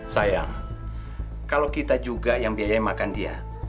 sayang kalau kita juga yang biaya makan dia